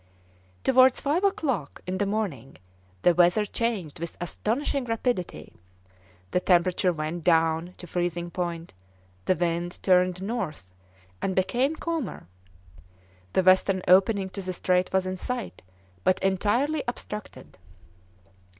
Towards five o'clock in the morning the weather changed with astonishing rapidity; the temperature went down to freezing point, the wind turned north, and became calmer. The western opening to the strait was in sight, but entirely obstructed.